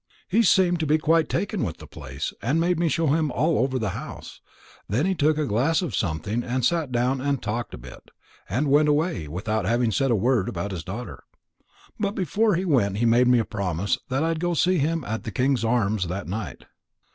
He seemed to be quite taken with the place, and made me show him all over the house; and then he took a glass of something, and sat and talked a bit, and went away, without having said a word about his daughter. But before he went he made me promise that I'd go and see him at the King's Arms that night.